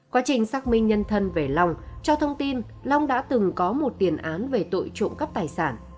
quá trình xác minh nhân thân về lòng cho thông tin long đã từng có một tiền án về tội trộm cắp tài sản